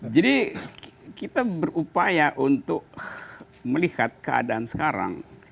kita berupaya untuk melihat keadaan sekarang